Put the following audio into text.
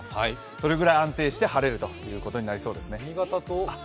それぐらい安定して晴れるということになりそうですね。